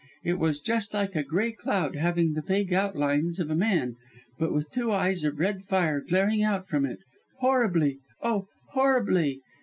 It was just like a grey cloud having the vague outlines of a man, but with two eyes of red fire glaring out from it horribly oh! horribly!